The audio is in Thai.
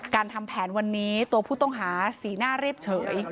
ทำแผนวันนี้ตัวผู้ต้องหาสีหน้าเรียบเฉย